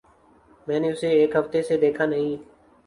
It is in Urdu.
میں نے اسے ایک ہفتے سے دیکھا نہیں۔